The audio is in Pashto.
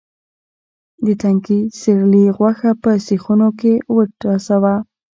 د تنکي سېرلي غوښه په سیخونو کې وټسوه.